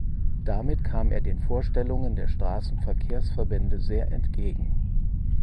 Damit kam er den Vorstellungen der Strassenverkehrsverbände sehr entgegen.